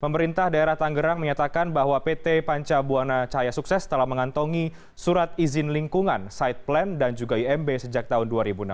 pemerintah daerah tanggerang menyatakan bahwa pt panca buana cahaya sukses telah mengantongi surat izin lingkungan side plan dan juga imb sejak tahun dua ribu enam belas